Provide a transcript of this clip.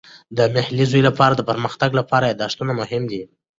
د محلي زوی لپاره د پرمختګ لپاره یادښتونه مهم دي.